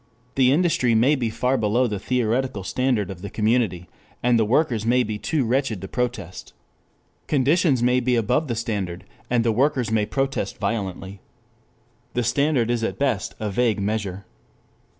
The industry may be far below the theoretical standard of the community, and the workers may be too wretched to protest. Conditions may be above the standard, and the workers may protest violently. The standard is at best a vague measure.